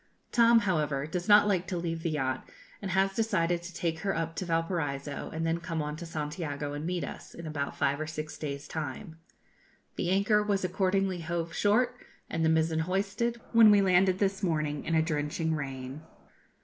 Tom, however, does not like to leave the yacht, and has decided to take her up to Valparaiso, and then come on to Santiago and meet us, in about five or six days' time. The anchor was accordingly hove short, and the mizen hoisted, when we landed this morning, in a drenching rain.